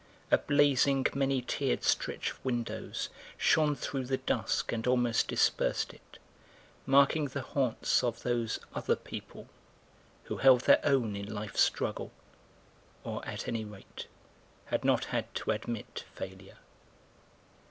A blazing, many tiered stretch of windows shone through the dusk and almost dispersed it, marking the haunts of those other people, who held their own in life's struggle, or at any rate had not had to admit failure.